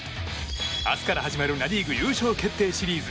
明日から始まるナ・リーグ優勝決定シリーズ。